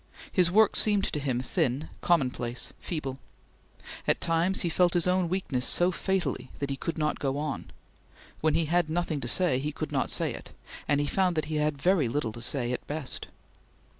His work seemed to him thin, commonplace, feeble. At times he felt his own weakness so fatally that he could not go on; when he had nothing to say, he could not say it, and he found that he had very little to say at best.